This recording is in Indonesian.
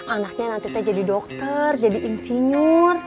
anaknya nanti saya jadi dokter jadi insinyur